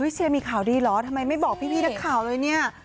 เชียร์มีข่าวดีเหรอทำไมไม่บอกพี่นักข่าวเลยเนี่ย